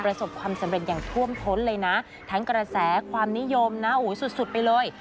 ประสบความสำเร็จอย่างท่วมท้นเลยนะทั้งกระแสความนิยมนะอู๋สุดไปเลย